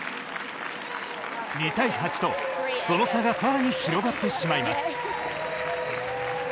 ２−８と、その差が更に広がってしまいます。